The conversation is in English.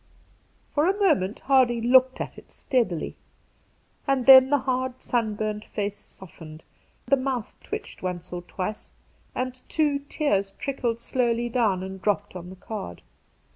For a moment Hardy looked at it steadily, and then the hard sunburnt face softened, the mouth twitched once or twice, and two tears trickled slowly down and dropped on the card.